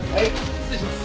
失礼します。